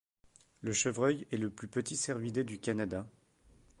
Le chevreuil est le plus petit cervidé du Canada